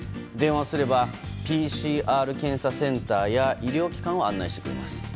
電話をすればＰＣＲ検査センターや医療機関を案内してくれます。